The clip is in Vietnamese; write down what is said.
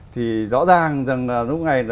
thì rõ ràng rằng là lúc này